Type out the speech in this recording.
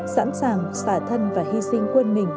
sẵn sàng xả thân và hy sinh quân mình